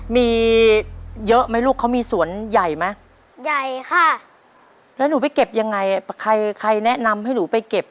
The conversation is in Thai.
มีเยอะไหมลูกเขามีสวนใหญ่ไหมใหญ่ค่ะแล้วหนูไปเก็บยังไงใครใครแนะนำให้หนูไปเก็บ